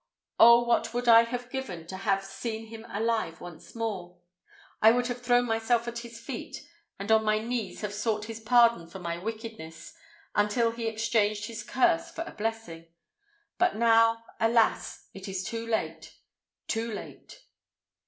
Oh, what would I have given to have seen him alive once more! I would have thrown myself at his feet, and on my knees have sought his pardon for my wickedness, until he exchanged his curse for a blessing. But now, alas! it is too late—too late!